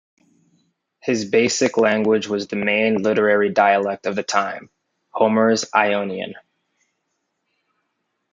His basic language was the main literary dialect of the time, Homer's Ionian.